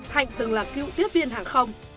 hạnh từng là cựu tiếp viên hàng không